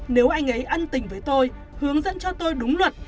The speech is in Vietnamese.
nếu anh ấy ân tình với tôi hướng dẫn cho tôi đúng luật